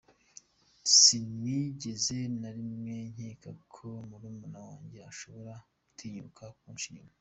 Sinigeze na rimwe nkeka ko murumuna wanjye ashobora gutinyuka kunca inyuma.